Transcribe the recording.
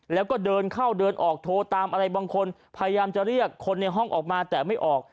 แล้วก็เดินเข้าเดินออกโทรตามอะไรบางคนพยายามจะเรียกคนในห้องออกมาแต่ไม่ออก